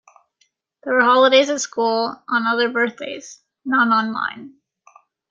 There were holidays at school on other birthdays — none on mine.